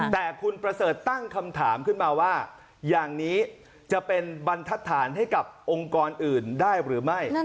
แต่คุณประเสริฐตั้งคำถามขึ้นมาว่าอย่างนี้จะเป็นบรรทัศนให้กับองค์กรอื่นได้หรือไม่